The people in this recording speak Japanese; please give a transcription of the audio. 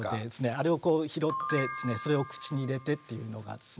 あれをこう拾ってそれを口に入れてっていうのがですね